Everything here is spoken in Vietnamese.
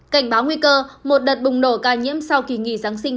cảnh báo nguy cơ một đợt bùng nổ ca nhiễm sau kỳ nghỉ giáng sinh